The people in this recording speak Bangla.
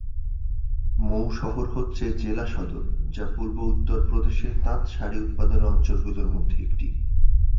মৌ শহর হচ্ছে জেলা সদর যা পূর্ব উত্তর প্রদেশের তাঁত শাড়ি উৎপাদনের অঞ্চলগুলোর মধ্যে একটি।